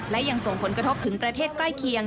และยังส่งผลกระทบถึงประเทศใกล้เคียง